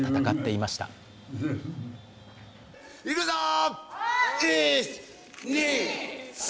いくぞー！